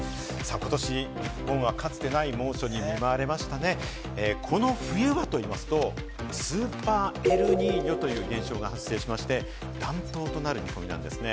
ことし日本はかつてない猛暑に見舞われましたね、この冬はといいますと、スーパーエルニーニョという現象が発生しまして、暖冬となる見込みなんですね。